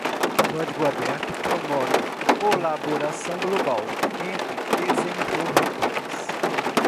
Código aberto promove colaboração global entre desenvolvedores.